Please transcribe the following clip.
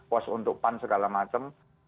pos untuk pan segala macam